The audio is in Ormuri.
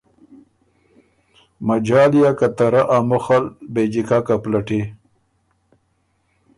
مجال یا که ته رۀ ا مُخ ال بې جیککه پلټی“